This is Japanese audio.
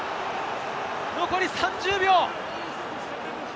残り３０秒。